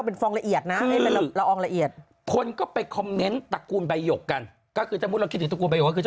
ก็เป็นฟองละเอียดนะไม่ได้เป็นละอองละเอียดคือ